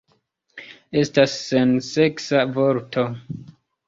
Estas senseksa vorto.